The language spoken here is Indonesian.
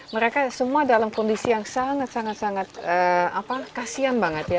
mereka semua dalam kondisi yang sangat sangat kasian banget ya